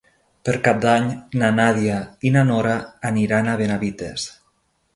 Per Cap d'Any na Nàdia i na Nora aniran a Benavites.